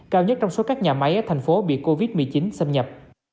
cao nhất trong số các nhà máy ở thành phố bị covid một mươi chín xâm nhập